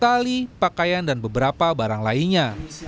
tali pakaian dan beberapa barang lainnya